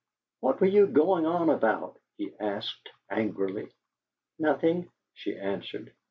"What were you going on about?" he asked, angrily. "Nothing," she answered.